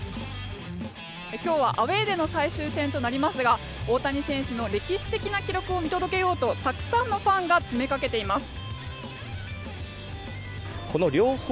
今日はアウェーでの最終戦となりますが大谷選手の歴史的な記録を見届けようとたくさんのファンが詰めかけています。